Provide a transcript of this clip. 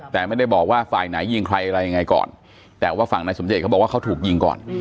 แต่ไม่ได้บอกว่าฝ่ายไหนยิงใครอะไรยังไงก่อนแต่ว่าฝั่งนายสมเดชนเขาบอกว่าเขาถูกยิงก่อน